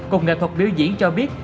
cục nghệ thuật biểu diễn cho biết